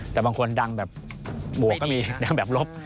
แต่บางคนดังแบบบวกก็มีดังแบบลบ